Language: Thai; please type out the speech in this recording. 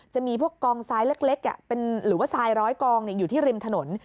จะมีพวกกองทรายเล็กหรือว่าทรายร้อยกองอยู่ที่ริมถนน